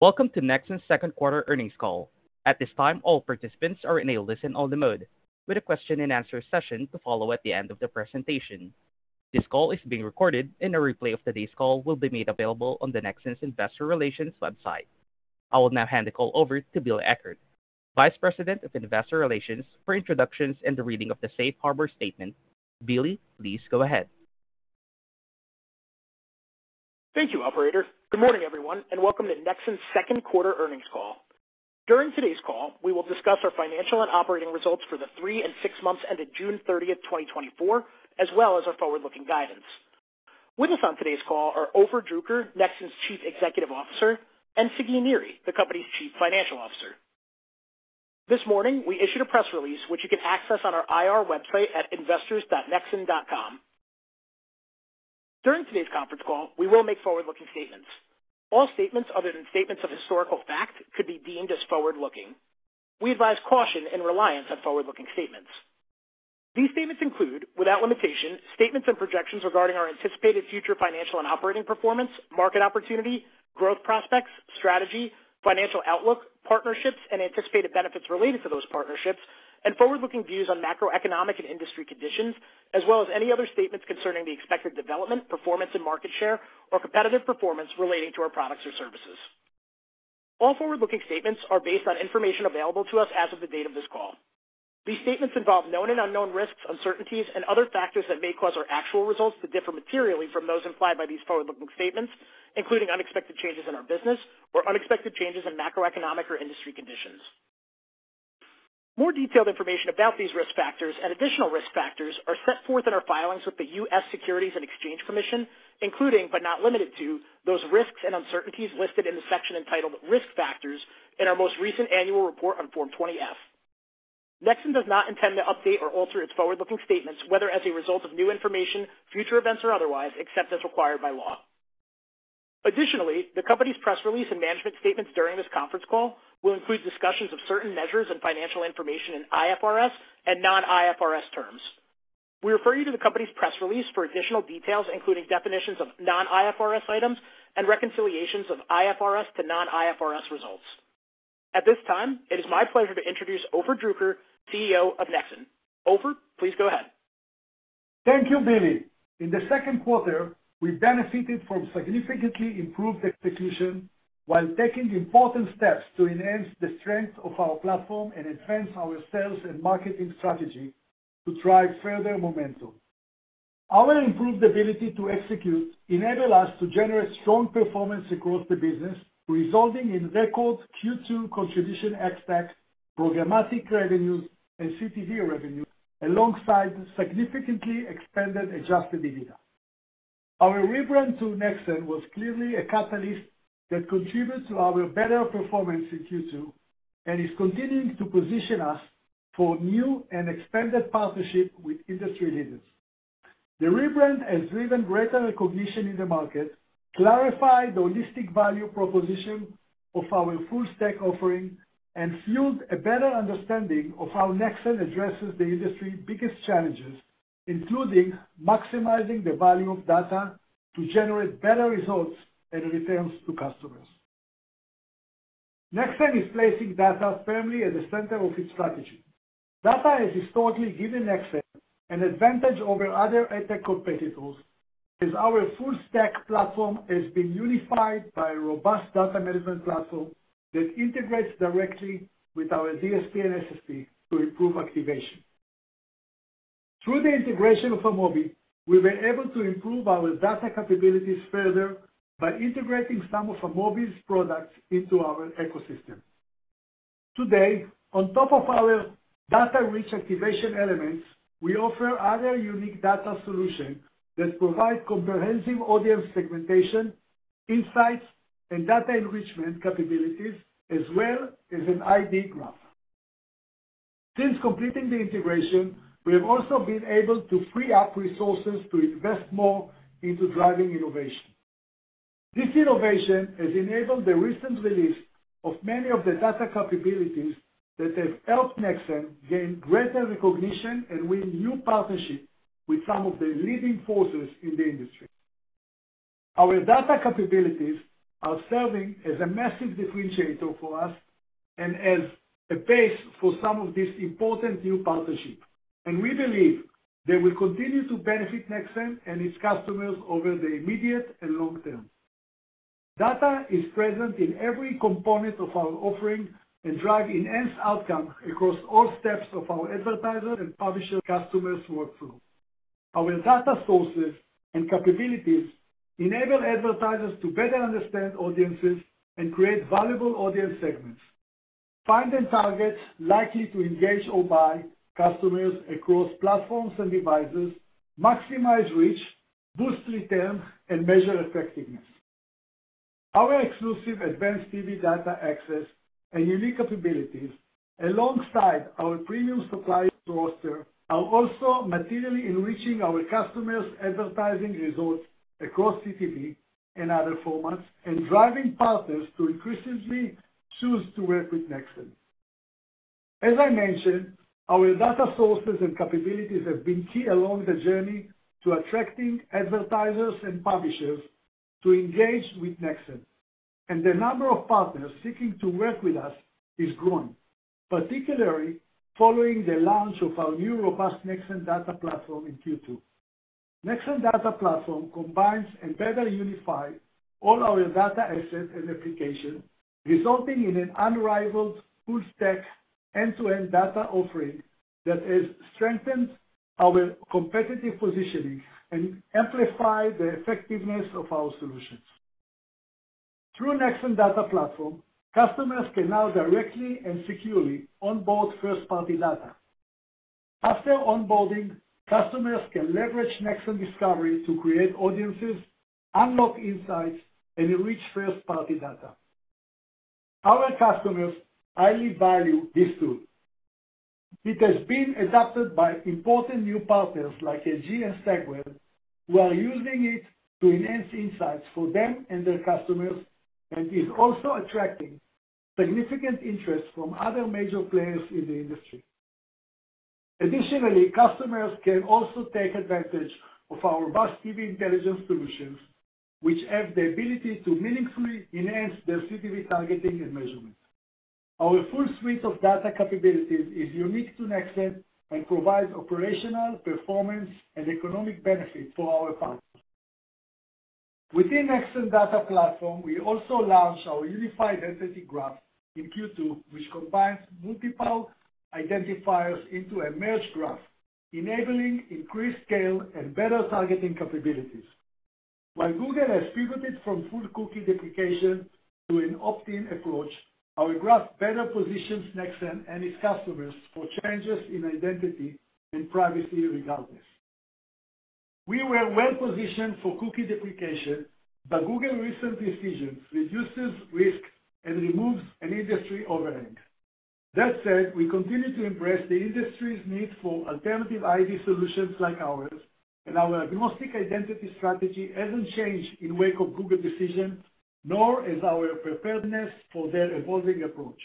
Welcome to Nexxen's 2nd quarter earnings call. At this time, all participants are in a listen-only mode, with a question and answer session to follow at the end of the presentation. This call is being recorded and a replay of today's call will be made available on the Nexxen's Investor Relations website. I will now hand the call over to Billy Eckert, Vice President of Investor Relations, for introductions and the reading of the safe harbor statement. Billy, please go ahead. Thank you, operator. Good morning, everyone, and welcome to Nexxen's 2nd quarter earnings call. During today's call, we will discuss our financial and operating results for the three and six months ended June 30th, 2024, as well as our forward-looking guidance. With us on today's call are Ofer Druker, Nexxen's Chief Executive Officer, and Sagi Niri, the company's Chief Financial Officer. This morning, we issued a press release, which you can access on our IR website at investors.nexxen.com. During today's conference call, we will make forward-looking statements. All statements other than statements of historical fact could be deemed as forward-looking. We advise caution and reliance on forward-looking statements. These statements include, without limitation, statements and projections regarding our anticipated future financial and operating performance, market opportunity, growth prospects, strategy, financial outlook, partnerships, and anticipated benefits related to those partnerships, and forward-looking views on macroeconomic and industry conditions. As well as any other statements concerning the expected development, performance, and market share, or competitive performance relating to our products or services. All forward-looking statements are based on information available to us as of the date of this call. These statements involve known and unknown risks, uncertainties, and other factors that may cause our actual results to differ materially from those implied by these forward-looking statements, including unexpected changes in our business or unexpected changes in macroeconomic or industry conditions. More detailed information about these risk factors and additional risk factors are set forth in our filings with the U.S. Securities and Exchange Commission, including, but not limited to, those risks and uncertainties listed in the section entitled "Risk Factors" in our most recent annual report on Form 20-F. Nexxen does not intend to update or alter its forward-looking statements, whether as a result of new information, future events, or otherwise, except as required by law. Additionally, the company's press release and management statements during this conference call will include discussions of certain measures and financial information in IFRS and non-IFRS terms. We refer you to the company's press release for additional details, including definitions of non-IFRS items and reconciliations of IFRS to non-IFRS results. At this time, it is my pleasure to introduce Ofer Druker, CEO of Nexxen. Ofer, please go ahead. Thank you, Billy. In the 2nd quarter, we benefited from significantly improved execution while taking important steps to enhance the strength of our platform and advance our sales and marketing strategy to drive further momentum. Our improved ability to execute enabled us to generate strong performance across the business, resulting in record Q2 contribution ex-TAC, programmatic revenues, and CTV revenue, alongside significantly expanded adjusted EBITDA. Our rebrand to Nexxen was clearly a catalyst that contributed to our better performance in Q2 and is continuing to position us for new and expanded partnership with industry leaders. The rebrand has driven greater recognition in the market, clarified the holistic value proposition of our full-stack offering, and fueled a better understanding of how Nexxen addresses the industry's biggest challenges, including maximizing the value of data to generate better results and returns to customers. Nexxen is placing data firmly at the center of its strategy. Data has historically given Nexxen an advantage over other ad tech competitors, as our full-stack platform has been unified by a robust data management platform that integrates directly with our DSP and SSP to improve activation. Through the integration of Amobee, we were able to improve our data capabilities further by integrating some of Amobee's products into our ecosystem. Today, on top of our data-rich activation elements, we offer other unique data solutions that provide comprehensive audience segmentation, insights, and data enrichment capabilities, as well as an ID Graph. Since completing the integration, we have also been able to free up resources to invest more into driving innovation. This innovation has enabled the recent release of many of the data capabilities that have helped Nexxen gain greater recognition and win new partnerships with some of the leading forces in the industry. Our data capabilities are serving as a massive differentiator for us and as a base for some of these important new partnerships, and we believe they will continue to benefit Nexxen and its customers over the immediate and long term. Data is present in every component of our offering and drive enhanced outcome across all steps of our advertisers and publisher customers' workflow. Our data sources and capabilities enable advertisers to better understand audiences and create valuable audience segments. Find and target likely to engage or buy customers across platforms and devices, maximize reach, boost returns, and measure effectiveness. Our exclusive advanced TV data access and unique capabilities, alongside our premium supply roster, are also materially enriching our customers' advertising results across CTV and other formats, and driving partners to increasingly choose to work with Nexxen. As I mentioned, our data sources and capabilities have been key along the journey to attracting advertisers and publishers to engage with Nexxen, and the number of partners seeking to work with us is growing, particularly following the launch of our new robust Nexxen Data Platform in Q2. Nexxen Data Platform combines and better unifies all our data assets and application, resulting in an unrivaled full-stack, end-to-end data offering that has strengthened our competitive positioning and amplified the effectiveness of our solutions. Through Nexxen Data Platform, customers can now directly and securely onboard first-party data. After onboarding, customers can leverage Nexxen Discovery to create audiences, unlock insights, and enrich first-party data. Our customers highly value this tool. It has been adopted by important new partners like LG and Stagwell, who are using it to enhance insights for them and their customers, and is also attracting significant interest from other major players in the industry. Additionally, customers can also take advantage of our robust TV Intelligence solutions, which have the ability to meaningfully enhance their CTV targeting and measurement. Our full suite of data capabilities is unique to Nexxen and provides operational performance and economic benefits for our partners. Within Nexxen Data Platform, we also launched our Unified Identity Graph in Q2, which combines multiple identifiers into a merged graph, enabling increased scale and better targeting capabilities. While Google has pivoted from full cookie deprecation to an opt-in approach, our graph better positions Nexxen and its customers for changes in identity and privacy regardless. We were well positioned for cookie deprecation, but Google's recent decisions reduce risk and remove an industry overhang. That said, we continue to address the industry's need for alternative ID solutions like ours, and our agnostic identity strategy hasn't changed in the wake of the Google decision, nor is our preparedness for their evolving approach.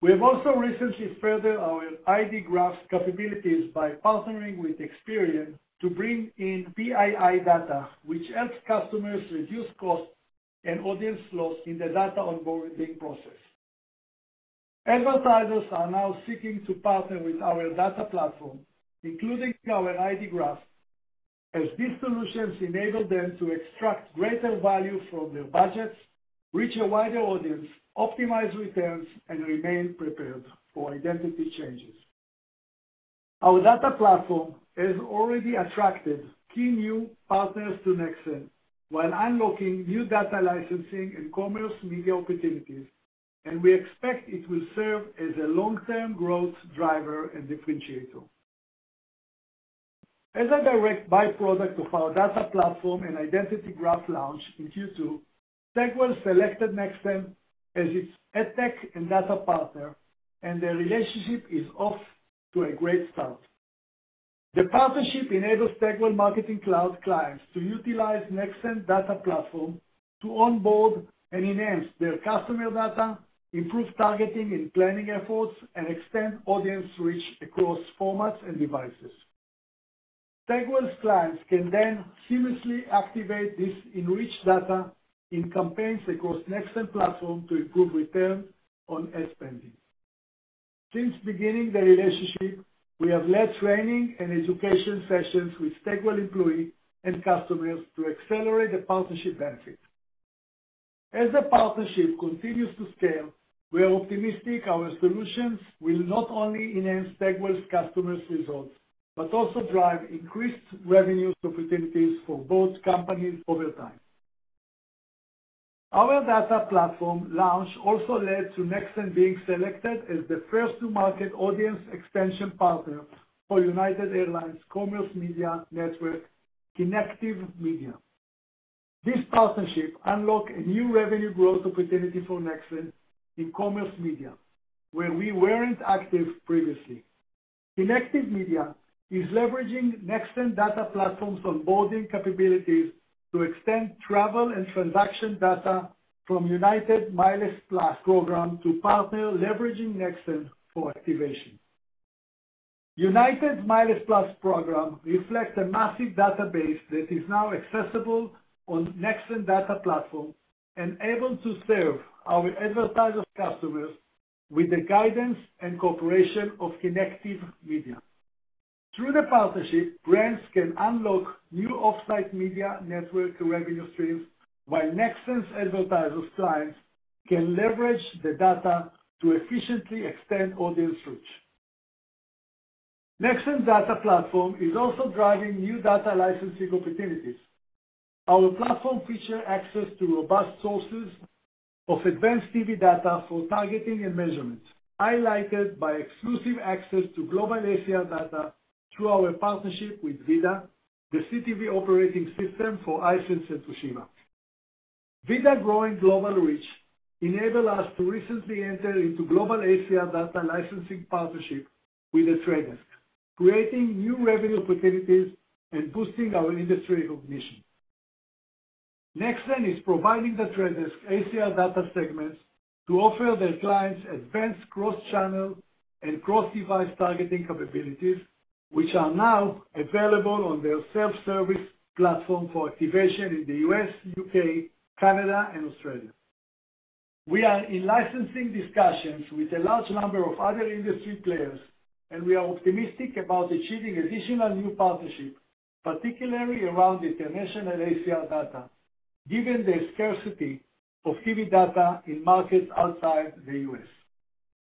We have also recently furthered our ID Graph's capabilities by partnering with Experian to bring in PII data, which helps customers reduce costs and audience loss in the data onboarding process. Advertisers are now seeking to partner with our Data Platform, including our ID Graph, as these solutions enable them to extract greater value from their budgets, reach a wider audience, optimize returns, and remain prepared for identity changes. Our Data Platform has already attracted key new partners to Nexxen, while unlocking new data licensing and commerce media opportunities, and we expect it will serve as a long-term growth driver and differentiator. As a direct byproduct of our Data Platform and Identity Graph launch in Q2, Stagwell selected Nexxen as its ad tech and data partner, and the relationship is off to a great start. The partnership enables Stagwell Marketing Cloud clients to utilize Nexxen Data Platform to onboard and enhance their customer data, improve targeting and planning efforts, and extend audience reach across formats and devices. Stagwell's clients can then seamlessly activate this enriched data in campaigns across Nexxen Platform to improve return on ad spending. Since beginning the relationship, we have led training and education sessions with Stagwell employees and customers to accelerate the partnership benefit. As the partnership continues to scale, we are optimistic our solutions will not only enhance Stagwell's customers' results, but also drive increased revenue opportunities for both companies over time. Our Data Platform launch also led to Nexxen being selected as the first-to-market audience extension partner for United Airlines Commerce Media Network, Kinective Media. This partnership unlock a new revenue growth opportunity for Nexxen in commerce media, where we weren't active previously. Kinective Media is leveraging Nexxen Data Platform's onboarding capabilities to extend travel and transaction data from United MileagePlus program to partner, leveraging Nexxen for activation. United MileagePlus program reflects a massive database that is now accessible on Nexxen Data Platform and able to serve our advertiser customers with the guidance and cooperation of Kinective Media. Through the partnership, brands can unlock new off-site media network revenue streams, while Nexxen's advertiser clients can leverage the data to efficiently extend audience reach. Nexxen Data Platform is also driving new data licensing opportunities. Our platform features access to robust sources of advanced TV data for targeting and measurements, highlighted by exclusive access to global ACR data through our partnership with VIDAA, the CTV operating system for Hisense and Toshiba. VIDAA's growing global reach enabled us to recently enter into global ACR data licensing partnership with The Trade Desk, creating new revenue opportunities and boosting our industry recognition. Nexxen is providing The Trade Desk ACR data segments to offer their clients advanced cross-channel and cross-device targeting capabilities, which are now available on their self-service platform for activation in the U.S., U.K., Canada, and Australia. We are in licensing discussions with a large number of other industry players, and we are optimistic about achieving additional new partnerships, particularly around international ACR data, given the scarcity of TV data in markets outside the U.S.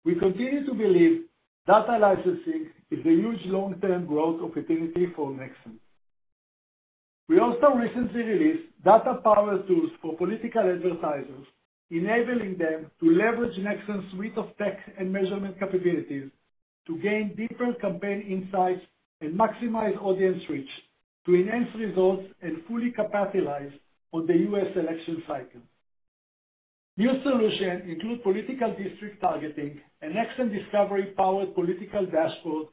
We continue to believe data licensing is a huge long-term growth opportunity for Nexxen. We also recently released data power tools for political advertisers, enabling them to leverage Nexxen's suite of tech and measurement capabilities to gain deeper campaign insights and maximize audience reach, to enhance results and fully capitalize on the U.S. election cycle. New solutions include political district targeting and Nexxen Discovery-powered political dashboards,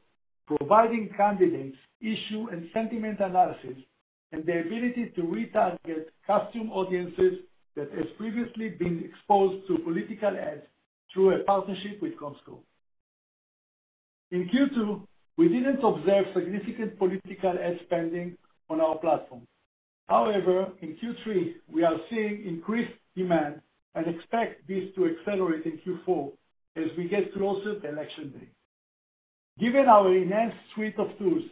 providing candidates issue and sentiment analysis, and the ability to retarget custom audiences that has previously been exposed to political ads through a partnership with Comscore. In Q2, we didn't observe significant political ad spending on our platform. However, in Q3, we are seeing increased demand and expect this to accelerate in Q4 as we get closer to election day. Given our enhanced suite of tools,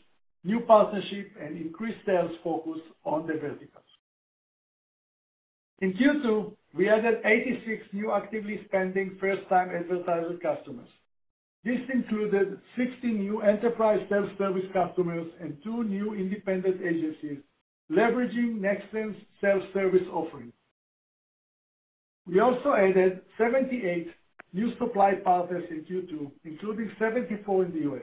new partnerships, and increased sales focus on the verticals. In Q2, we added 86 new actively spending first-time advertiser customers. This included 16 new enterprise self-service customers and two new independent agencies, leveraging Nexxen's self-service offering. We also added 78 new supply partners in Q2, including 74 in the U.S.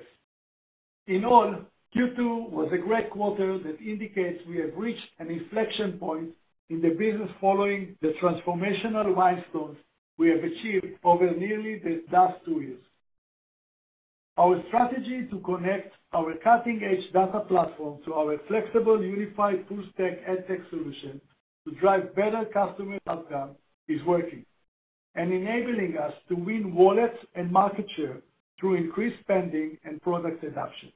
In all, Q2 was a great quarter that indicates we have reached an inflection point in the business following the transformational milestones we have achieved over nearly the last two years. Our strategy to connect our cutting-edge data platform to our flexible, unified full-stack ad tech solution to drive better customer outcomes is working, and enabling us to win wallets and market share through increased spending and product adoption.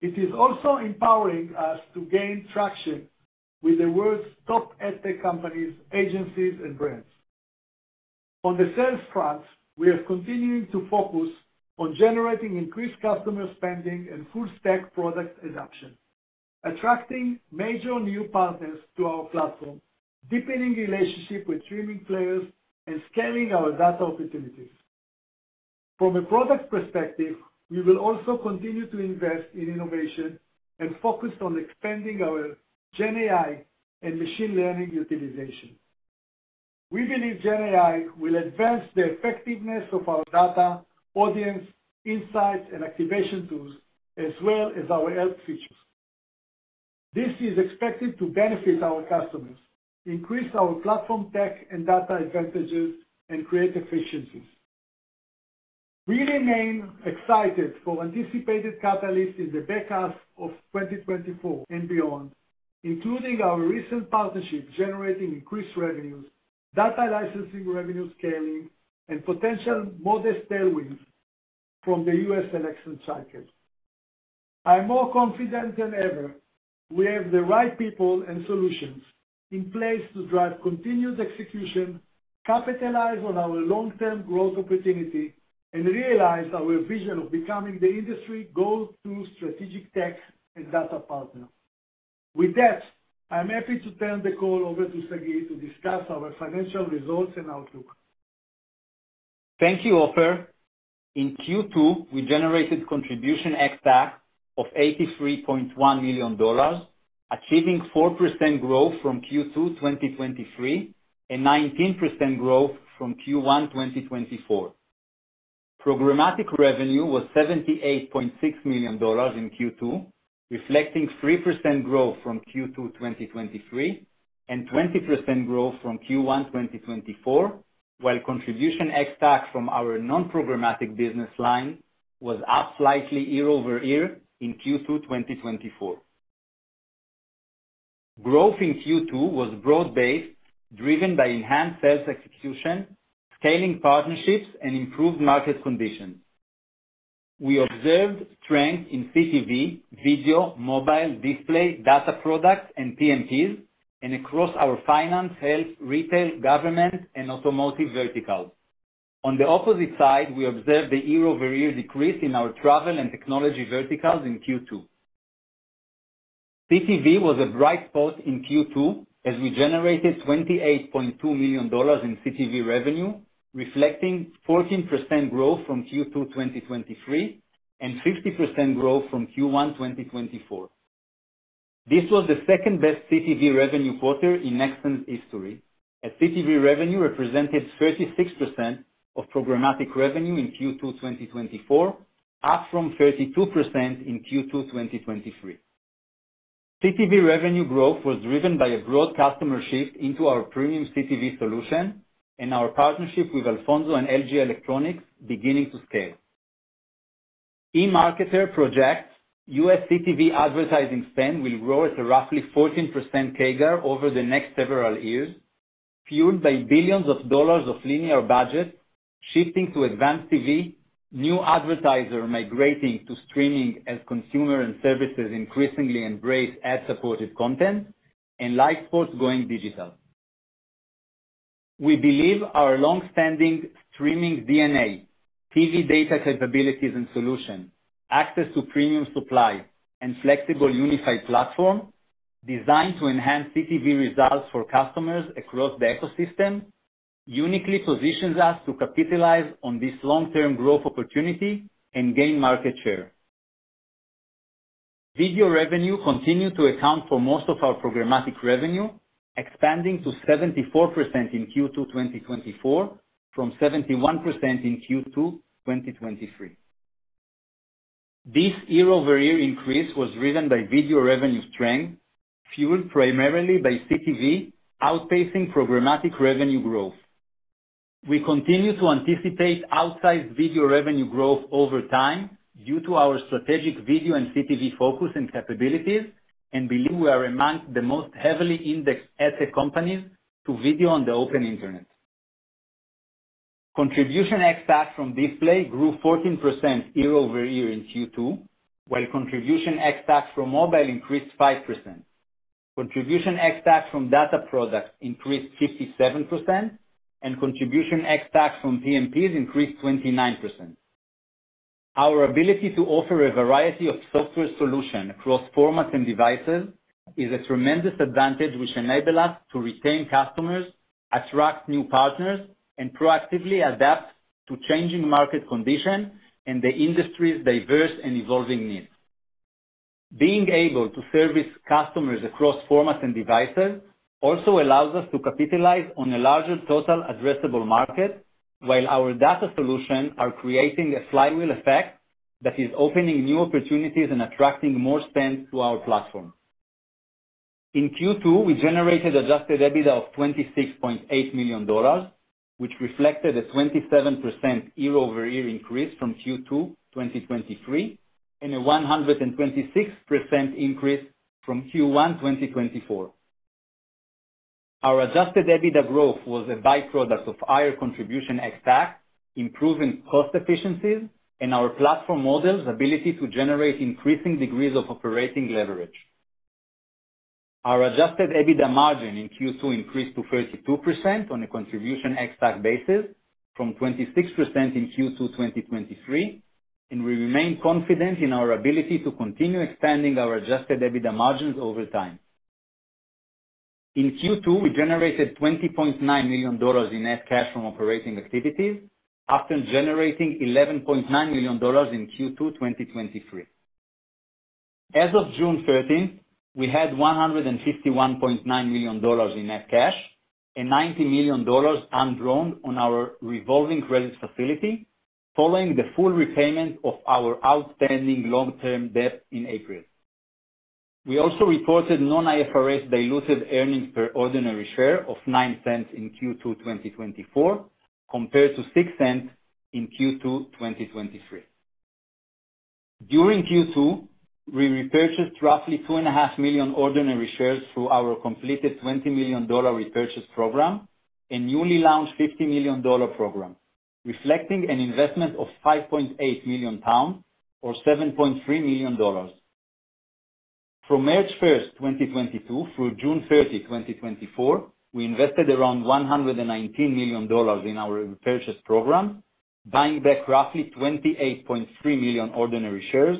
It is also empowering us to gain traction with the world's top ad tech companies, agencies, and brands. On the sales front, we are continuing to focus on generating increased customer spending and full stack product adoption, attracting major new partners to our platform, deepening relationships with streaming players, and scaling our data opportunities. From a product perspective, we will also continue to invest in innovation and focus on expanding our GenAI and machine learning utilization. We believe GenAI will advance the effectiveness of our data, audience, insights, and activation tools, as well as our help features. This is expected to benefit our customers, increase our platform tech and data advantages, and create efficiencies. We remain excited for anticipated catalysts in the back half of 2024 and beyond, including our recent partnerships generating increased revenues, data licensing revenue scaling, and potential modest tailwinds from the U.S. election cycle. I'm more confident than ever we have the right people and solutions in place to drive continued execution, capitalize on our long-term growth opportunity, and realize our vision of becoming the industry go-to strategic tech and data partner. With that, I'm happy to turn the call over to Sagi to discuss our financial results and outlook. Thank you, Ofer. In Q2, we generated contribution ex-TAC of $83.1 million, achieving 4% growth from Q2 2023, and 19% growth from Q1 2024. Programmatic revenue was $78.6 million in Q2, reflecting 3% growth from Q2 2023, and 20% growth from Q1 2024, while contribution ex-TAC from our non-programmatic business line was up slightly year over year in Q2 2024. Growth in Q2 was broad-based, driven by enhanced sales execution, scaling partnerships, and improved market conditions. We observed strength in CTV, video, mobile, display, data products, and PMPs, and across our finance, health, retail, government, and automotive verticals. On the opposite side, we observed a year-over-year decrease in our travel and technology verticals in Q2. CTV was a bright spot in Q2, as we generated $28.2 million in CTV revenue, reflecting 14% growth from Q2 2023, and 50% growth from Q1 2024. This was the second-best CTV revenue quarter in Nexxen's history, as CTV revenue represented 36% of programmatic revenue in Q2 2024, up from 32% in Q2 2023. CTV revenue growth was driven by a broad customer shift into our premium CTV solution and our partnership with Alphonso and LG Electronics beginning to scale. eMarketer projects U.S. CTV advertising spend will grow at a roughly 14% CAGR over the next several years. Fueled by billions of dollars of linear budget shifting to advanced TV, new advertisers migrating to streaming as consumer and services increasingly embrace ad-supported content, and live sports going digital. We believe our long-standing streaming DNA, TV data capabilities and solutions, access to premium supply, and flexible unified platform, designed to enhance CTV results for customers across the ecosystem, uniquely positions us to capitalize on this long-term growth opportunity and gain market share. Video revenue continued to account for most of our programmatic revenue, expanding to 74% in Q2 2024, from 71% in Q2 2023. This year-over-year increase was driven by video revenue strength, fueled primarily by CTV outpacing programmatic revenue growth. We continue to anticipate outsized video revenue growth over time due to our strategic video and CTV focus and capabilities, and believe we are among the most heavily indexed ad tech companies to video on the open internet. Contribution ex-TAC from display grew 14% year-over-year in Q2, while contribution ex-TAC from mobile increased 5%. Contribution ex-TAC from data products increased 57%, and contribution ex-TAC from PMPs increased 29%. Our ability to offer a variety of software solutions across formats and devices is a tremendous advantage, which enable us to retain customers, attract new partners, and proactively adapt to changing market conditions and the industry's diverse and evolving needs. Being able to service customers across formats and devices also allows us to capitalize on a larger total addressable market, while our data solutions are creating a flywheel effect that is opening new opportunities and attracting more spend to our platform. In Q2, we generated Adjusted EBITDA of $26.8 million, which reflected a 27% year-over-year increase from Q2 2023, and a 126% increase from Q1 2024. Our adjusted EBITDA growth was a by-product of higher contribution ex-TAC, improving cost efficiencies, and our platform model's ability to generate increasing degrees of operating leverage. Our adjusted EBITDA margin in Q2 increased to 32% on a contribution ex-TAC basis from 26% in Q2 2023, and we remain confident in our ability to continue expanding our adjusted EBITDA margins over time. In Q2, we generated $20.9 million in net cash from operating activities, after generating $11.9 million in Q2 2023. As of June 30th, we had $151.9 million in net cash and $90 million undrawn on our revolving credit facility, following the full repayment of our outstanding long-term debt in April. We also reported Non-IFRS diluted earnings per ordinary share of $0.09 in Q2, 2024, compared to $0.06 in Q2, 2023. During Q2, we repurchased roughly 2.5 million ordinary shares through our completed $20 million repurchase program and newly launched $50 million program, reflecting an investment of 5.8 million pounds, or $7.3 million. From March 1st, 2022, through June 30, 2024, we invested around $119 million in our repurchase program, buying back roughly 28.3 million ordinary shares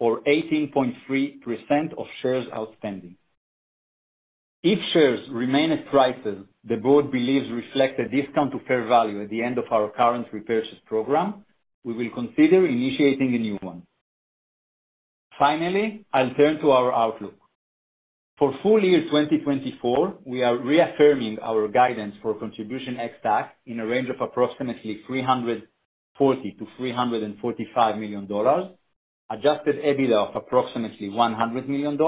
or 18.3% of shares outstanding. If shares remain at prices the board believes reflect a discount to fair value at the end of our current repurchase program, we will consider initiating a new one. Finally, I'll turn to our outlook. For full year 2024, we are reaffirming our guidance for contribution ex-TAC in a range of approximately $340-$345 million, Adjusted EBITDA of approximately $100 million,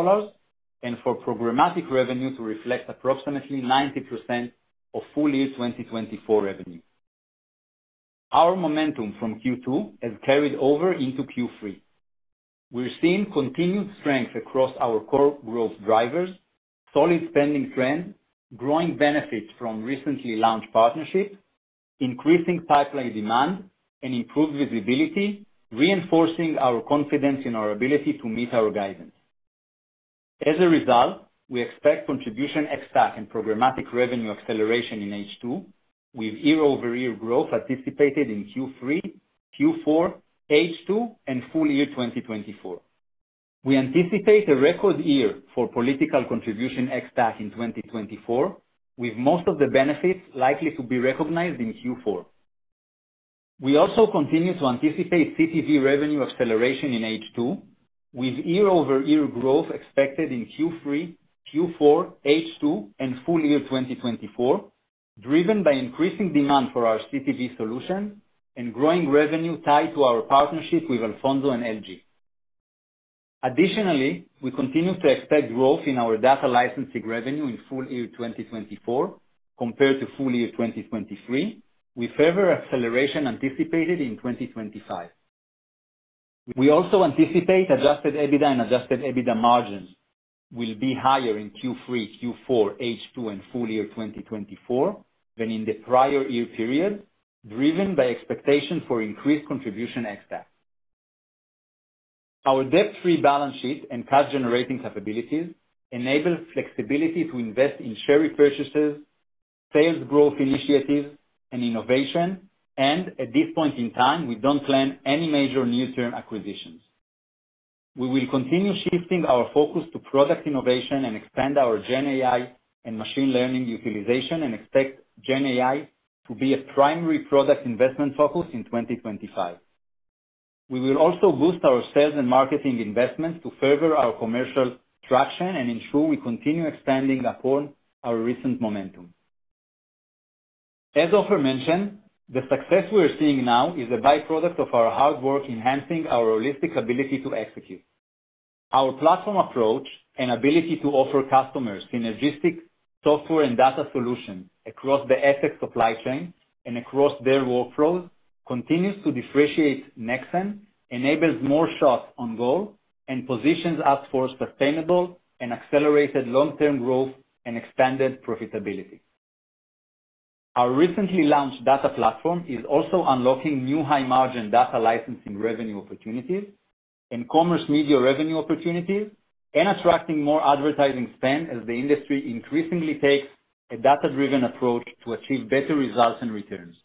and for programmatic revenue to reflect approximately 90% of full year 2024 revenue. Our momentum from Q2 has carried over into Q3. We're seeing continued strength across our core growth drivers, solid spending trends, growing benefits from recently launched partnerships, increasing pipeline demand, and improved visibility, reinforcing our confidence in our ability to meet our guidance. As a result, we expect contribution ex-TAC and programmatic revenue acceleration in H2, with year-over-year growth anticipated in Q3, Q4, H2, and full year 2024. We anticipate a record year for political contribution ex-TAC in 2024, with most of the benefits likely to be recognized in Q4. We also continue to anticipate CTV revenue acceleration in H2, with year-over-year growth expected in Q3, Q4, H2, and full year 2024, driven by increasing demand for our CTV solution and growing revenue tied to our partnership with Alphonso and LG. Additionally, we continue to expect growth in our data licensing revenue in full year 2024 compared to full year 2023, with further acceleration anticipated in 2025. We also anticipate adjusted EBITDA and adjusted EBITDA margins will be higher in Q3, Q4, H2, and full year 2024 than in the prior year period, driven by expectation for increased Contribution ex-TAC. Our debt-free balance sheet and cash generating capabilities enable flexibility to invest in share repurchases, sales growth initiatives, and innovation, and at this point in time, we don't plan any major near-term acquisitions. We will continue shifting our focus to product innovation and expand our GenAI and machine learning utilization, and expect GenAI to be a primary product investment focus in 2025. We will also boost our sales and marketing investments to further our commercial traction and ensure we continue expanding upon our recent momentum. As Ofer mentioned, the success we are seeing now is a by-product of our hard work enhancing our holistic ability to execute. Our platform approach and ability to offer customers synergistic software and data solutions across the AdTech supply chain and across their workflows, continues to differentiate Nexxen, enables more shots on goal, and positions us for sustainable and accelerated long-term growth and expanded profitability. Our recently launched Data Platform is also unlocking new high-margin data licensing revenue opportunities and commerce media revenue opportunities, and attracting more advertising spend as the industry increasingly takes a data-driven approach to achieve better results and returns.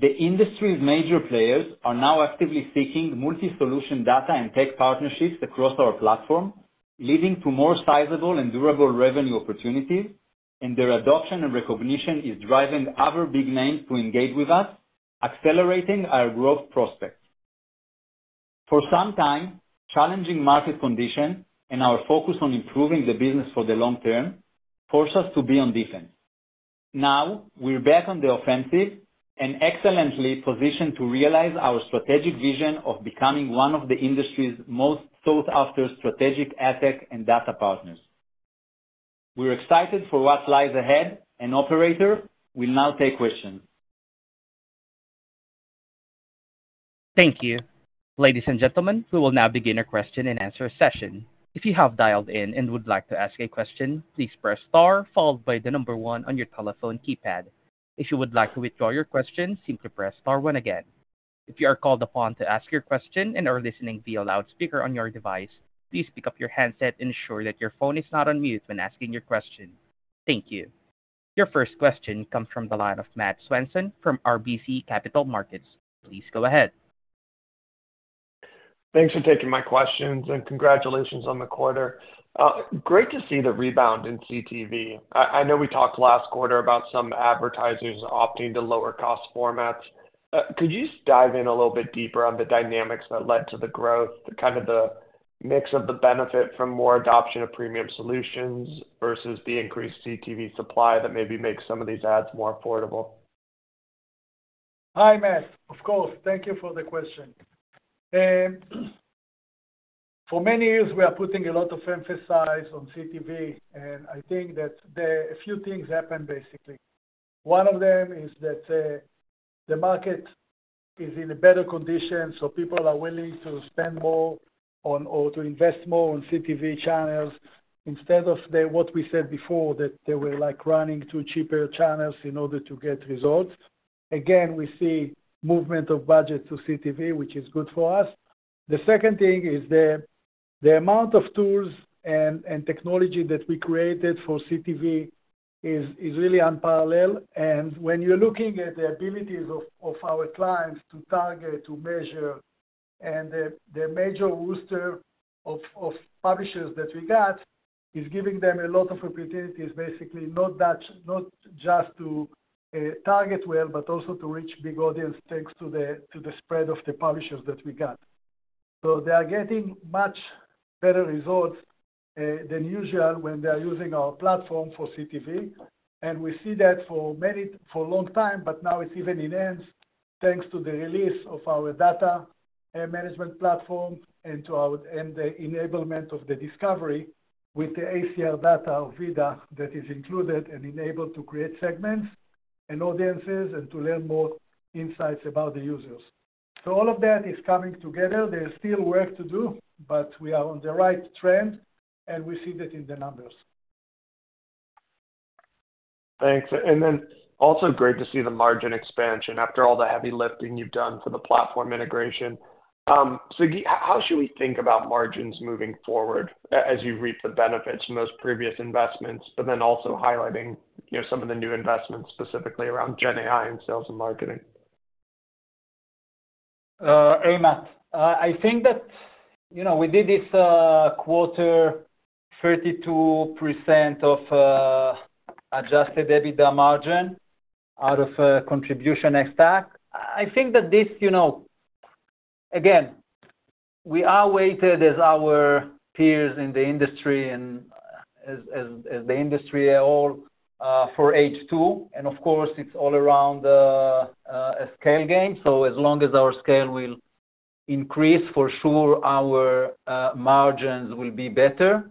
The industry's major players are now actively seeking multi-solution data and tech partnerships across our platform, leading to more sizable and durable revenue opportunities, and their adoption and recognition is driving other big names to engage with us, accelerating our growth prospects. For some time, challenging market conditions and our focus on improving the business for the long term forced us to be on defense. Now, we're back on the offensive and excellently positioned to realize our strategic vision of becoming one of the industry's most sought-after strategic AdTech and data partners. We're excited for what lies ahead, and Operator, we'll now take questions. Thank you. Ladies and gentlemen, we will now begin our question-and-answer session. If you have dialed in and would like to ask a question, please press star, followed by the number one on your telephone keypad. If you would like to withdraw your question, simply press star one again. If you are called upon to ask your question and are listening via loudspeaker on your device, please pick up your handset and ensure that your phone is not on mute when asking your question. Thank you. Your first question comes from the line of Matthew Swanson from RBC Capital Markets. Please go ahead. Thanks for taking my questions, and congratulations on the quarter. Great to see the rebound in CTV. I know we talked last quarter about some advertisers opting to lower cost formats. Could you just dive in a little bit deeper on the dynamics that led to the growth, the kind of the mix of the benefit from more adoption of premium solutions versus the increased CTV supply that maybe makes some of these ads more affordable? Hi, Matt. Of course. Thank you for the question. For many years, we are putting a lot of emphasis on CTV, and I think that a few things happened, basically. One of them is that the market is in a better condition, so people are willing to spend more on, or to invest more on CTV channels instead of the, what we said before, that they were, like, running to cheaper channels in order to get results. Again, we see movement of budget to CTV, which is good for us. The second thing is the amount of tools and technology that we created for CTV is really unparalleled. And when you're looking at the abilities of our clients to target, to measure, and the major roster of publishers that we got, is giving them a lot of opportunities. Basically, not just to target well, but also to reach big audience, thanks to the spread of the publishers that we got. They are getting much better results than usual when they are using our platform for CTV, and we see that for a long time. Now, it's even enhanced, thanks to the release of our data management platform and the enablement of the discovery with the ACR data of VIDAA that is included and enabled to create segments and audiences and to learn more insights about the users. All of that is coming together. There's still work to do, but we are on the right trend, and we see that in the numbers. Thanks, and then also great to see the margin expansion after all the heavy lifting you've done for the platform integration. So Sagi, how should we think about margins moving forward as you reap the benefits from those previous investments, but then also highlighting, you know, some of the new investments, specifically around GenAI and sales and marketing? Hey, Matt. I think that, you know, we did this quarter 32% adjusted EBITDA margin out of contribution ex-TAC. I think that this, you know, again, we are weighted as our peers in the industry, and as the industry are all for H2, and of course, it's all around the a scale game. So as long as our scale will increase, for sure, our margins will be better.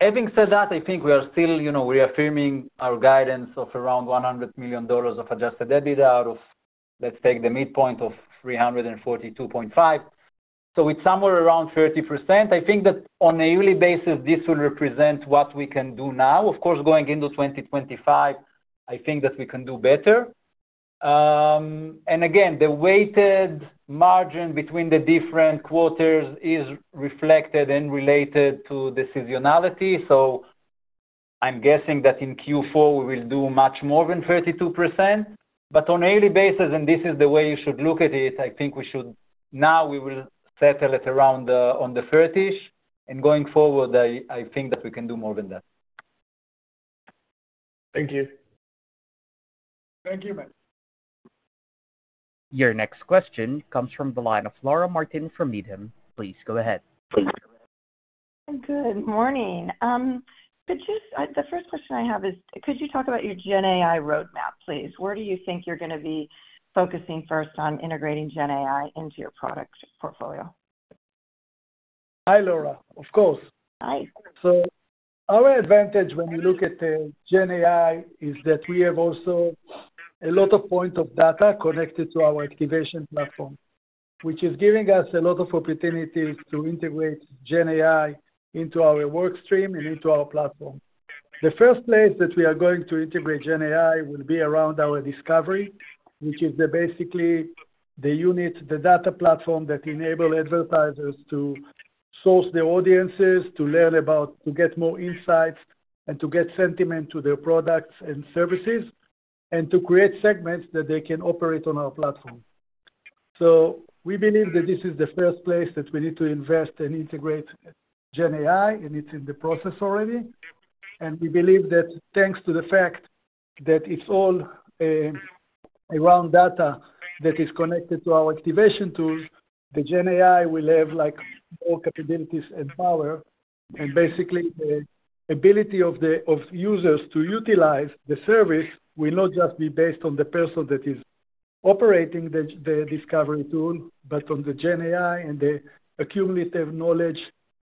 Having said that, I think we are still, you know, we are affirming our guidance of around $100 million of Adjusted EBITDA out of, let's take the midpoint of $342.5 million. So it's somewhere around 30%. I think that on a yearly basis, this will represent what we can do now. Of course, going into 2025, I think that we can do better. Again, the weighted margin between the different quarters is reflected and related to the seasonality. So I'm guessing that in Q4, we will do much more than 32%. But on a yearly basis, and this is the way you should look at it. I think we should—now we will settle it around the, on the thirty-ish, and going forward, I think that we can do more than that. Thank you. Thank you, Matt. Your next question comes from the line of Laura Martin from Needham. Please go ahead. Good morning. The first question I have is, could you talk about your GenAI roadmap, please? Where do you think you're gonna be focusing first on integrating GenAI into your product portfolio? Hi, Laura. Of course. Hi. So our advantage when we look at GenAI, is that we have also a lot of point of data connected to our activation platform, which is giving us a lot of opportunities to integrate GenAI into our work stream and into our platform. The first place that we are going to integrate GenAI will be around our discovery, which is basically the unit, the Data Platform that enable advertisers to source their audiences, to learn about to get more insights, and to get sentiment to their products and services, and to create segments that they can operate on our platform. So we believe that this is the first place that we need to invest and integrate GenAI, and it's in the process already. And we believe that thanks to the fact that it's all around data that is connected to our activation tools, the GenAI will have like more capabilities and power. Basically, the ability of users to utilize the service will not just be based on the person that is operating the discovery tool, but from the GenAI and the accumulative knowledge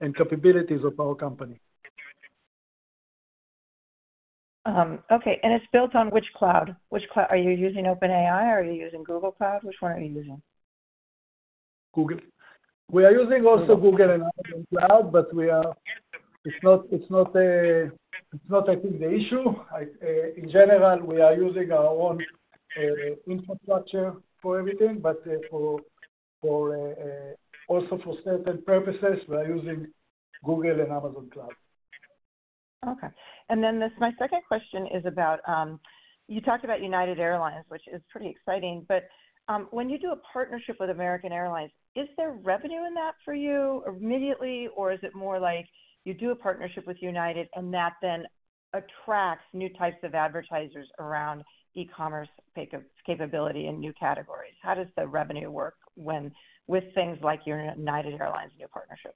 and capabilities of our company. Okay, and it's built on which cloud? Are you using OpenAI or are you using Google Cloud? Which one are you using? Google. We are using also Google Cloud, but it's not, I think, the issue. In general, we are using our own infrastructure for everything, but also for certain purposes, we are using Google and Amazon Cloud. Okay, and then this, my second question is about, you talked about United Airlines, which is pretty exciting, but, when you do a partnership with American Airlines, is there revenue in that for you immediately? Or is it more like you do a partnership with United, and that then attracts new types of advertisers around e-commerce capability and new categories? How does the revenue work when with things like your United Airlines new partnership?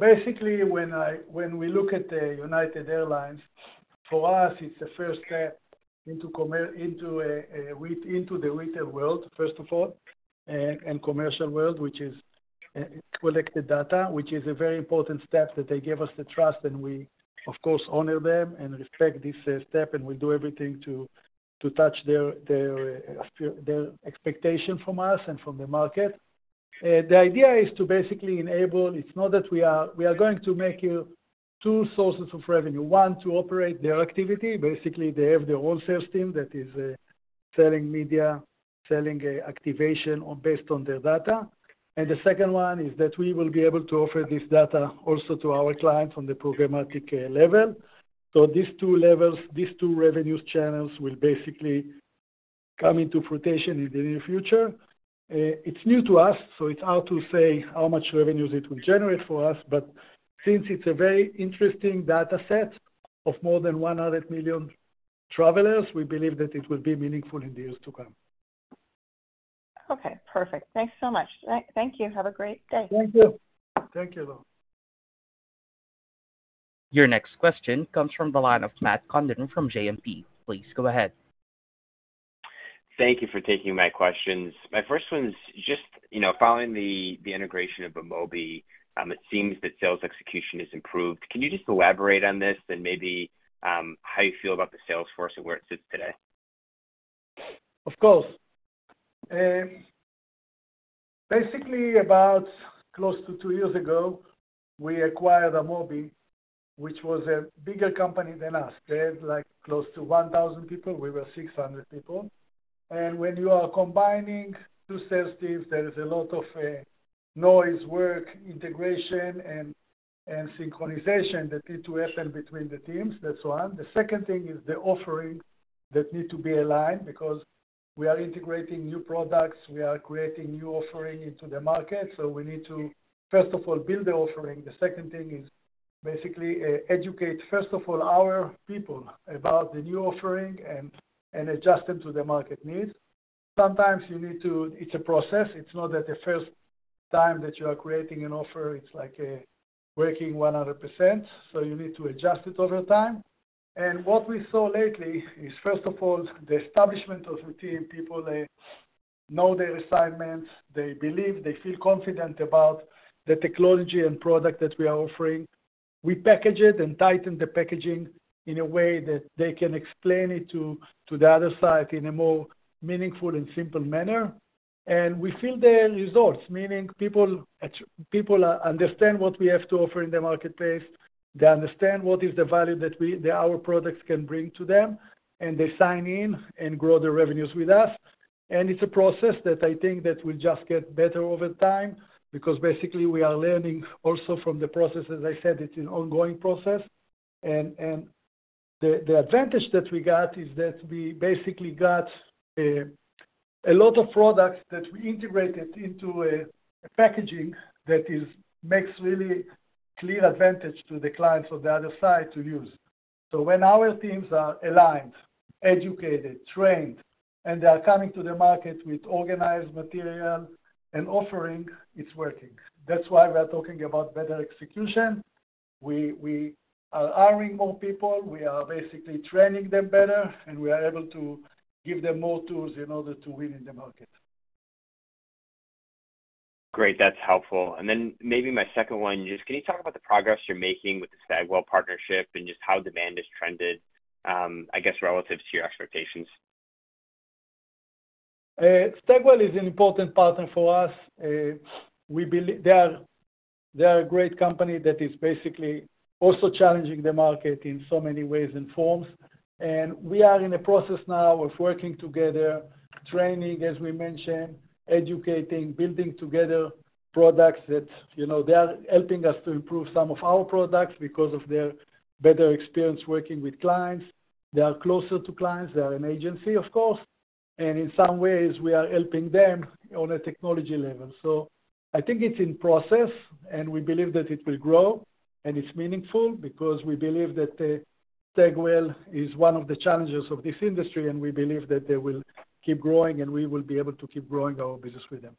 Basically, when we look at United Airlines, for us, it's the first step into the retail world, first of all, and commercial world, which is collected data, which is a very important step that they give us the trust, and we, of course, honor them and respect this step, and we do everything to touch their expectation from us and from the market. The idea is to basically enable. It's not that we are going to make two sources of revenue. One, to operate their activity. Basically, they have their own sales team that is selling media, selling activation based on their data. The second one is that we will be able to offer this data also to our clients on the programmatic level. These two levels, these two revenues channels, will basically come into fruition in the near future. It's new to us, so it's hard to say how much revenues it will generate for us, but since it's a very interesting data set of more than one hundred million travelers, we believe that it will be meaningful in the years to come. Okay, perfect. Thanks so much. Thank you. Have a great day. Thank you. Thank you, Laura. Your next question comes from the line of Matt Condon from JMP. Please go ahead. Thank you for taking my questions. My first one is just, you know, following the integration of Amobee, it seems that sales execution has improved. Can you just elaborate on this, and maybe how you feel about the sales force and where it sits today? Of course. Basically, about close to two years ago, we acquired Amobee, which was a bigger company than us. They had, like, close to one thousand people. We were six hundred people. And when you are combining two sales teams, there is a lot of noise, work, integration, and synchronization that need to happen between the teams. That's one. The second thing is the offering that need to be aligned because we are integrating new products, we are creating new offering into the market, so we need to, first of all, build the offering. The second thing is basically educate, first of all, our people about the new offering and adjust them to the market needs. Sometimes you need to, it's a process. It's not that the first time that you are creating an offer, it's like working 100%, so you need to adjust it over time. And what we saw lately is, first of all, the establishment of routine. People, they know their assignments, they believe, they feel confident about the technology and product that we are offering. We package it and tighten the packaging in a way that they can explain it to the other side in a more meaningful and simple manner. We feel the results, meaning people understand what we have to offer in the marketplace, they understand what is the value that our products can bring to them, and they sign in and grow their revenues with us. It's a process that I think will just get better over time, because basically, we are learning also from the process. As I said, it's an ongoing process, and the advantage that we got is that we basically got a lot of products that we integrated into a packaging that makes really clear advantage to the clients on the other side to use. When our teams are aligned, educated, trained, and they are coming to the market with organized material and offering, it's working. That's why we're talking about better execution. We are hiring more people, we are basically training them better, and we are able to give them more tools in order to win in the market. Great, that's helpful, and then maybe my second one. Just can you talk about the progress you're making with the Stagwell partnership and just how demand has trended, I guess, relative to your expectations? Stagwell is an important partner for us. We believe they are, they are a great company that is basically also challenging the market in so many ways and forms. We are in a process now of working together, training, as we mentioned, educating, building together products that, you know, they are helping us to improve some of our products because of their better experience working with clients. They are closer to clients, they are an agency, of course, and in some ways we are helping them on a technology level. I think it's in process, and we believe that it will grow. It's meaningful because we believe that Stagwell is one of the challengers of this industry, and we believe that they will keep growing, and we will be able to keep growing our business with them.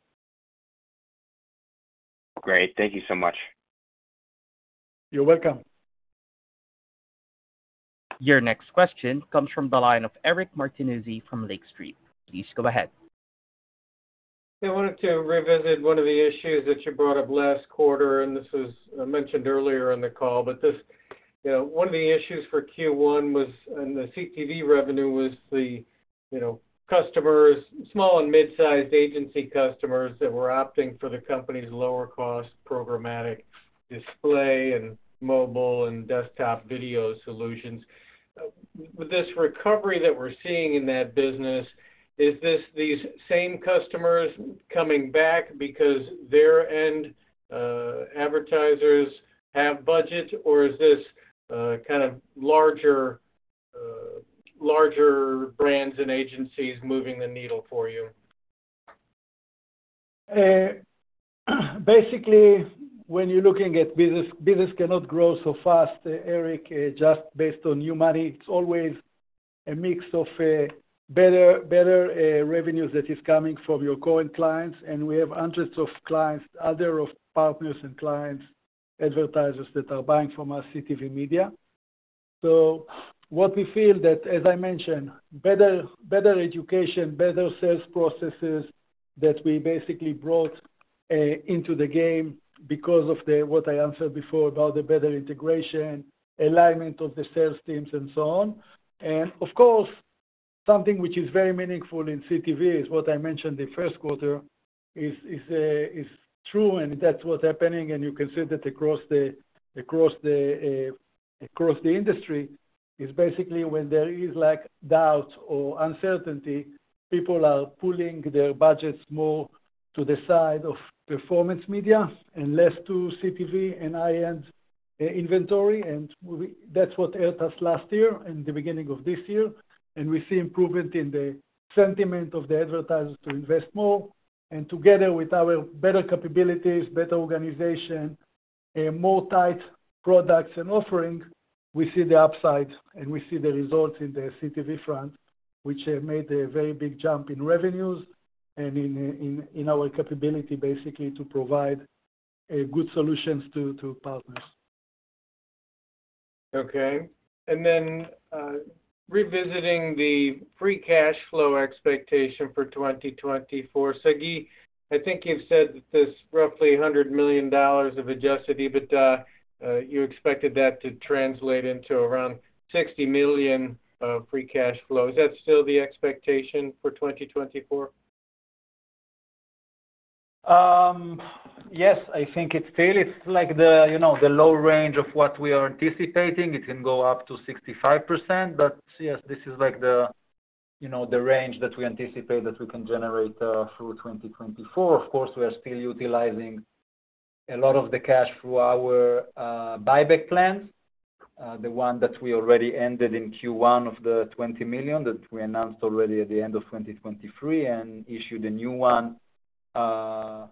Great. Thank you so much. You're welcome. Your next question comes from the line of Eric Martinuzzi from Lake Street. Please go ahead. I wanted to revisit one of the issues that you brought up last quarter, and this was mentioned earlier in the call. But this, you know, one of the issues for Q1 was, in the CTV revenue, the, you know, customers, small and mid-sized agency customers that were opting for the company's lower cost, programmatic display and mobile and desktop video solutions. With this recovery that we're seeing in that business, are these same customers coming back because their end advertisers have budgets, or is this kind of larger brands and agencies moving the needle for you? Basically, when you're looking at business, business cannot grow so fast, Eric, just based on new money. It's always a mix of better revenues that is coming from your current clients, and we have hundreds of other partners and clients, advertisers that are buying from us, CTV media. So what we feel that, as I mentioned, better education, better sales processes that we basically brought into the game because of what I answered before about the better integration, alignment of the sales teams and so on. Of course, something which is very meaningful in CTV is what I mentioned the 1st quarter, is true, and that's what's happening, and you can see that across the industry, is basically when there is like doubt or uncertainty, people are pulling their budgets more to the side of performance media and less to CTV and high-end inventory, that's what helped us last year and the beginning of this year. We see improvement in the sentiment of the advertisers to invest more, and together with our better capabilities, better organization, a more tight products and offerings. We see the upsides, and we see the results in the CTV front, which have made a very big jump in revenues and in our capability, basically, to provide a good solutions to partners. Okay, and then, revisiting the free cash flow expectation for 2024. Sagi, I think you've said that there's roughly $100 million of Adjusted EBITDA. You expected that to translate into around $60 million of free cash flow. Is that still the expectation for 2024? Yes, I think it's still, it's like the, you know, the low range of what we are anticipating. It can go up to 65%, but yes, this is like the, you know, the range that we anticipate that we can generate, through 2024. Of course, we are still utilizing a lot of the cash through our, buyback plan, the one that we already ended in Q1 of the $20 million that we announced already at the end of 2023 and issued a new one, in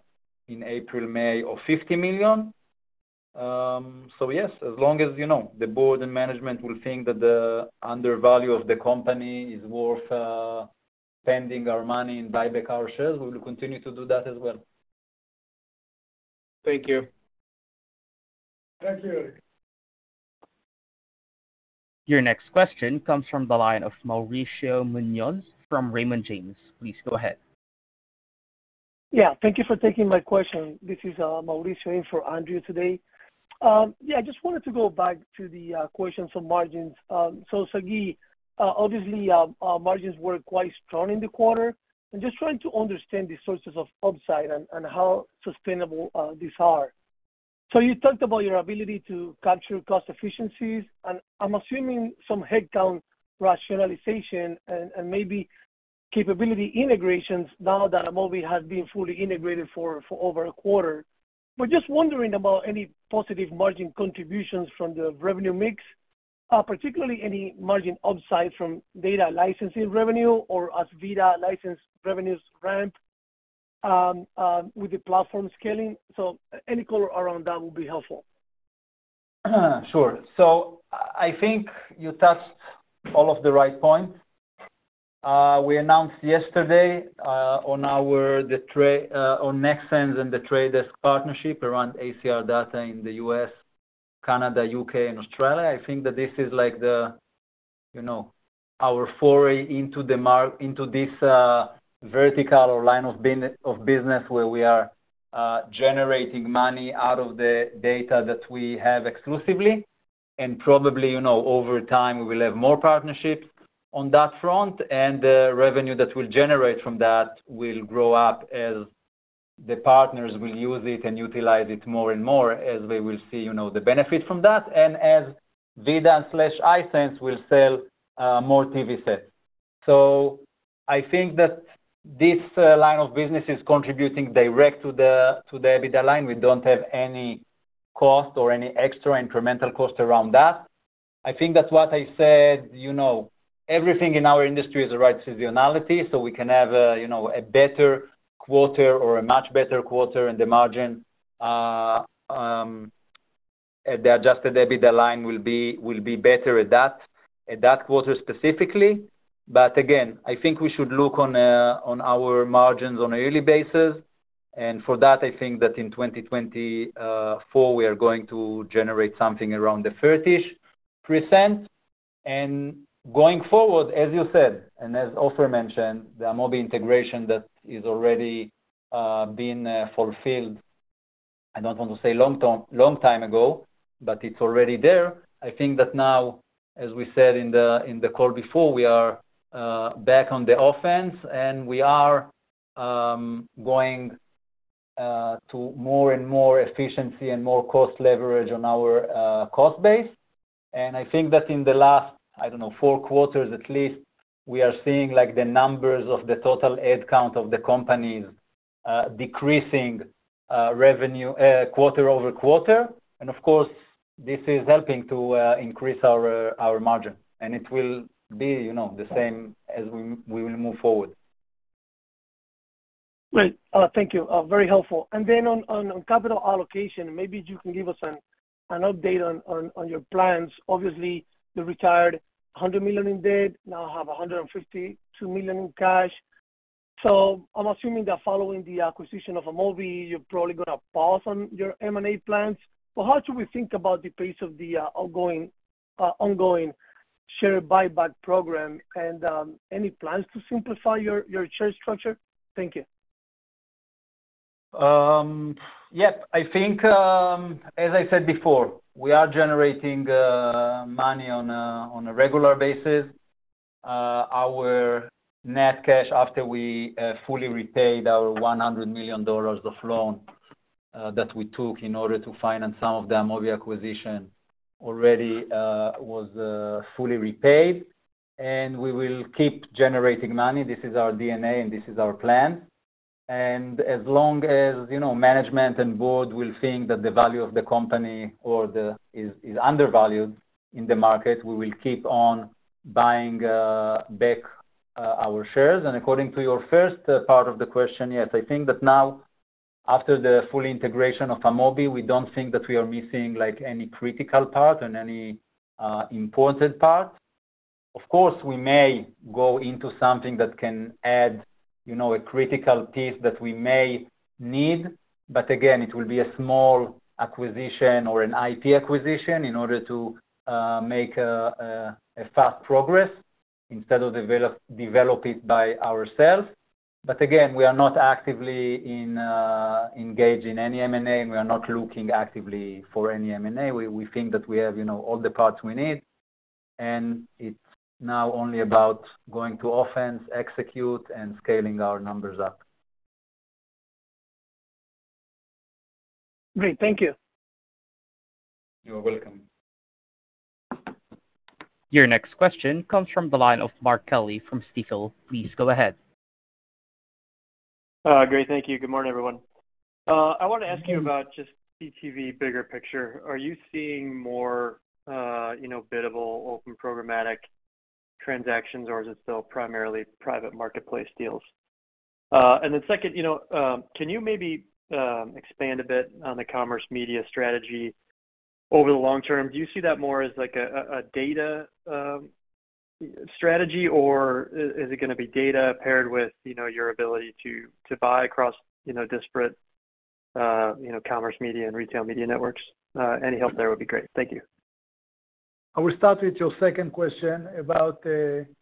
April, May, of $50 million. So yes, as long as, you know, the board and management will think that the undervaluation of the company is worth, spending our money and buy back our shares, we will continue to do that as well. Thank you. Thank you. Your next question comes from the line of Mauricio Muñoz from Raymond James. Please go ahead. Yeah, thank you for taking my question. This is, Mauricio in for Andrew today. Yeah, I just wanted to go back to the questions on margins. So Sagi, obviously, our margins were quite strong in the quarter. I'm just trying to understand the sources of upside and, and how sustainable these are. So you talked about your ability to capture cost efficiencies, and I'm assuming some headcount rationalization and maybe capability integrations now that Amobee has been fully integrated for over a quarter. Just wondering about any positive margin contributions from the revenue mix, particularly any margin upside from data licensing revenue or as VIDAA license revenues ramp with the platform scaling. So any color around that would be helpful. Sure. I think you touched all of the right points. We announced yesterday on Nexxen and The Trade Desk partnership around ACR data in the U.S., Canada, U.K., and Australia. I think that this is like, you know, our foray into this vertical or line of business where we are generating money out of the data that we have exclusively. Probably, you know, over time, we will have more partnerships on that front, and the revenue that we'll generate from that will grow up as the partners will use it and utilize it more and more as they will see, you know, the benefit from that, and as VIDAA/Hisense will sell more TV sets. I think that this line of business is contributing directly to the EBITDA line. We don't have any cost or any extra incremental cost around that. I think that what I said, you know, everything in our industry is the right seasonality, so we can have a, you know, a better quarter or a much better quarter in the margin. The adjusted EBITDA line will be better at that quarter specifically, but again, I think we should look on our margins on a yearly basis, and for that, I think that in 2024, we are going to generate something around the 30-ish%. Going forward, as you said, and as Ofer mentioned, the Amobee integration that is already been fulfilled. I don't want to say long term - long time ago, but it's already there. I think that now, as we said in the call before, we are back on the offense, and we are going to more and more efficiency and more cost leverage on our cost base. I think that in the last, I don't know, four quarters at least, we are seeing, like, the numbers of the total head count of the companies decreasing quarter over quarter. Of course, this is helping to increase our margin, and it will be, you know, the same as we will move forward. Great. Thank you, very helpful, and then on capital allocation, maybe you can give us an update on your plans. Obviously, you retired $100 million in debt, now have $152 million in cash. So I'm assuming that following the acquisition of Amobee, you're probably gonna pause on your M&A plans. But how should we think about the pace of the ongoing share buyback program? And any plans to simplify your share structure? Thank you. Yep. I think, as I said before, we are generating money on a regular basis. Our net cash, after we fully repaid our $100 million of loan that we took in order to finance some of the Amobee acquisition already, was fully repaid, and we will keep generating money. This is our DNA, and this is our plan. As long as, you know, management and board will think that the value of the company or the is undervalued in the market, we will keep on buying back our shares. According to your first part of the question, yes. I think that now, after the full integration of Amobee, we don't think that we are missing, like, any critical part and any important part. Of course, we may go into something that can add, you know, a critical piece that we may need. Again, it will be a small acquisition or an IP acquisition in order to make a fast progress instead of develop it by ourselves. Again, we are not actively engaged in any M&A, and we are not looking actively for any M&A. We think that we have, you know, all the parts we need, and it's now only about going to offense, execute, and scaling our numbers up. Great, thank you. You're welcome. Your next question comes from the line of Mark Kelley from Stifel. Please go ahead. Great, thank you. Good morning, everyone. I want to ask you about just CTV bigger picture. Are you seeing more, you know, biddable open programmatic transactions, or is it still primarily private marketplace deals? And then second, you know, can you maybe expand a bit on the commerce media strategy over the long term? Do you see that more as like a data strategy, or is it gonna be data paired with, you know, your ability to buy across, you know, disparate commerce media and retail media networks? Any help there would be great. Thank you. I will start with your second question about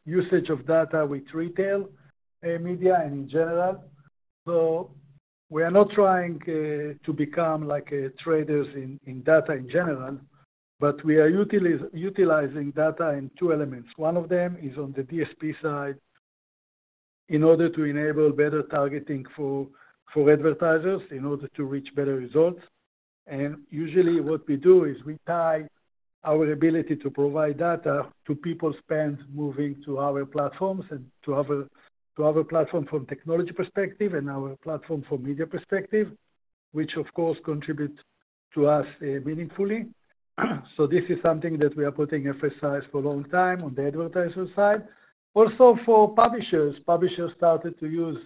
usage of data with retail media and in general. We are not trying to become like traders in data in general, but we are utilizing data in two elements. One of them is on the DSP side, in order to enable better targeting for advertisers, in order to reach better results. Usually, what we do is we tie our ability to provide data to people spend moving to our platforms and to other platform from technology perspective and our platform from media perspective, which of course contributes to us meaningfully. This is something that we are putting emphasis for a long time on the advertiser side. Also for publishers. Publishers started to use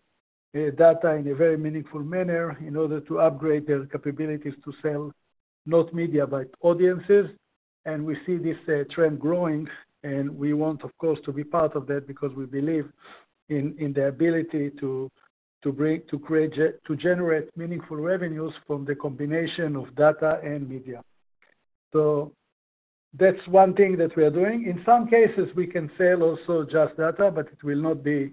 data in a very meaningful manner in order to upgrade their capabilities to sell, not media, but audiences. We see this trend growing, and we want, of course, to be part of that because we believe in the ability to generate meaningful revenues from the combination of data and media. So that's one thing that we are doing. In some cases, we can sell also just data, but it will not be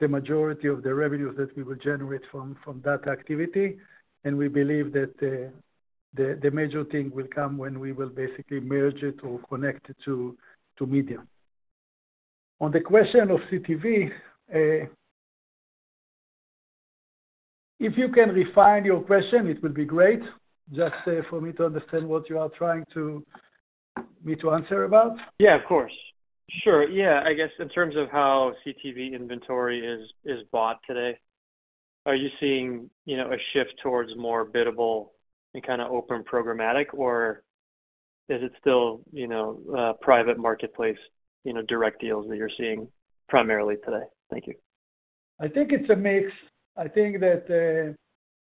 the majority of the revenues that we will generate from that activity. We believe that the major thing will come when we will basically merge it or connect it to media. On the question of CTV, if you can refine your question, it would be great. Just for me to understand what you are trying to, me to answer about. Yeah, of course. Sure. Yeah, I guess in terms of how CTV inventory is bought today, are you seeing, you know, a shift towards more biddable and kinda open programmatic, or is it still, you know, private marketplace, you know, direct deals that you're seeing primarily today? Thank you. I think it's a mix. I think that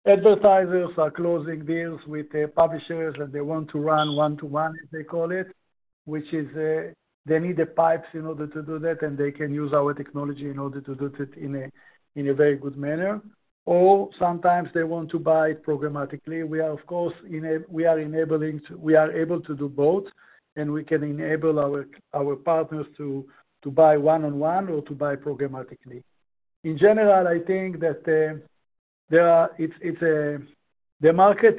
advertisers are closing deals with the publishers, and they want to run one-to-one, as they call it, which is they need the pipes in order to do that, and they can use our technology in order to do that in a very good manner, or sometimes they want to buy programmatically. We are, of course, able to do both, and we can enable our partners to buy one-on-one or to buy programmatically. In general, I think that it's the market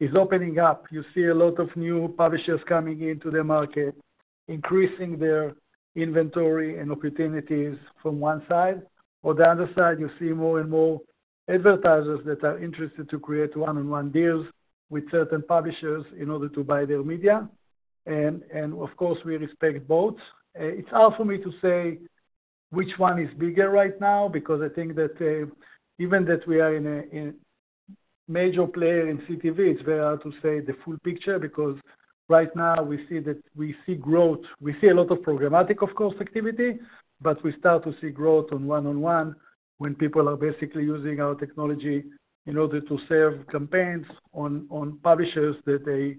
is opening up. You see a lot of new publishers coming into the market, increasing their inventory and opportunities from one side. On the other side, you see more and more advertisers that are interested to create one-on-one deals with certain publishers in order to buy their media, and of course, we respect both. It's hard for me to say which one is bigger right now, because I think that even though we are a major player in CTV, it's very hard to say the full picture, because right now we see that, we see growth. We see a lot of programmatic, of course, activity, but we start to see growth on one-on-one. When people are basically using our technology in order to serve campaigns on publishers that they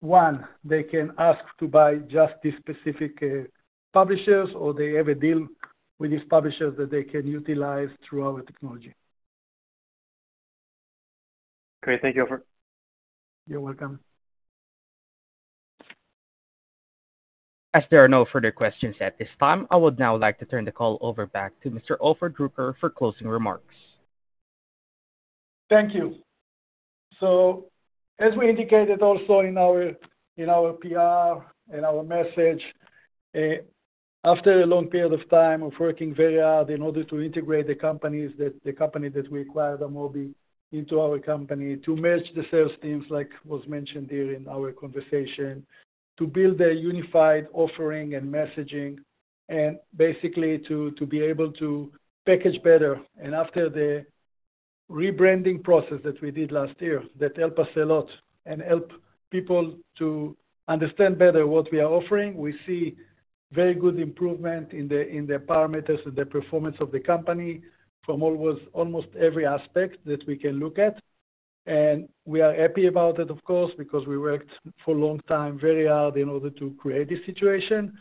want to buy just the specific publishers, or they have a deal with these publishers that they can utilize through our technology. Great. Thank you, Ofer. You're welcome. As there are no further questions at this time, I would now like to turn the call over back to Mr. Ofer Druker for closing remarks. Thank you. As we indicated also in our PR and our message, after a long period of time of working very hard in order to integrate the company that we acquired, Amobee, into our company, to merge the sales teams, like was mentioned here in our conversation, to build a unified offering and messaging, and basically to be able to package better. After the rebranding process that we did last year, that help us a lot and help people to understand better what we are offering. We see very good improvement in the parameters of the performance of the company from almost every aspect that we can look at. We are happy about it, of course, because we worked for a long time, very hard in order to create this situation.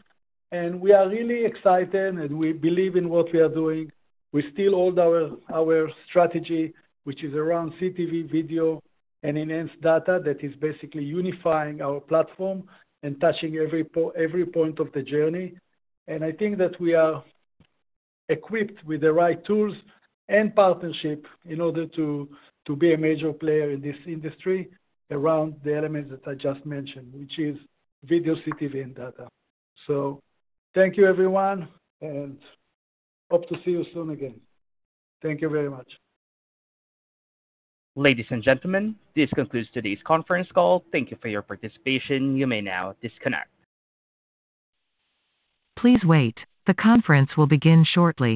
We are really excited, and we believe in what we are doing. We still hold our strategy, which is around CTV, video, and enhanced data that is basically unifying our platform and touching every point of the journey. I think that we are equipped with the right tools and partnership in order to be a major player in this industry around the elements that I just mentioned, which is video, CTV, and data. Thank you, everyone, and hope to see you soon again. Thank you very much. Ladies and gentlemen, this concludes today's conference call. Thank you for your participation. You may now disconnect. Please wait. The conference will begin shortly.